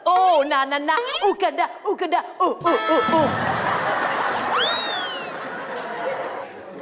อูนะนะนะอูกันดาอูกันดาอูอูอู